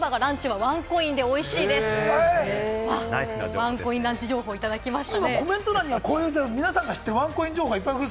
ワンコインランチ情報、いただきました。